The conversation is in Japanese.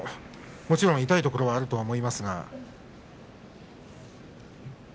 もちろん痛いところはあると思いますが。